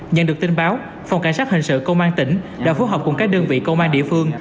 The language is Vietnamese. nhận được tin báo phòng cảnh sát hình sự công an tỉnh đã phối hợp cùng các đơn vị công an địa phương